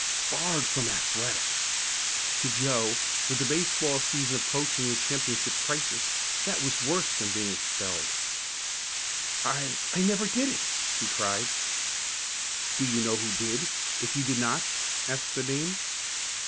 Barred from athletics! To Joe, with the baseball season approaching the championship crisis, that was worse than being expelled. "I I never did it!" he cried. "Do you know who did, if you did not?" asked the Dean.